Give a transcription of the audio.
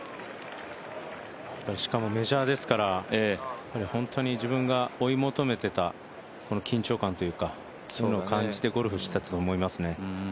しかもメジャーですから本当に自分が追い求めてた緊張感というか、そういうのを感じてゴルフしたと思いますね。